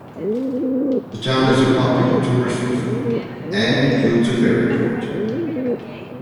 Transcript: The town is a popular tourist resort and includes a ferry port.